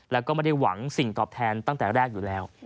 แล้วก็ไม่ได้หวังสิ่งตอบแทนตั้งแต่แรกอยู่แล้ว